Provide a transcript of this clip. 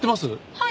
はい。